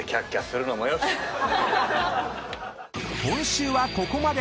［今週はここまで。